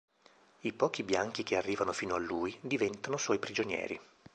I pochi bianchi che arrivano fino a lui, diventano suoi prigionieri.